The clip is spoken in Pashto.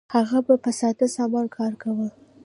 هغه به په ساده سامان کار کاوه.